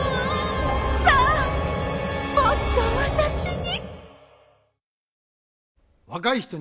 さあもっと私に。